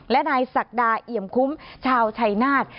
และนายศักดาเอี่ยมคุ้มชาวชัยนาธ